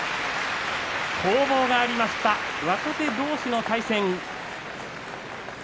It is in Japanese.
攻防がありました若手同士の対戦。